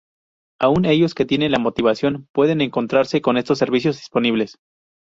Aún aquellos que tienen la motivación pueden encontrarse con escasos servicios disponibles.